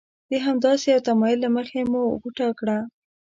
د همداسې یوه تمایل له مخې مو غوټه کړه.